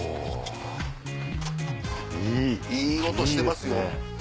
いい音してますよ。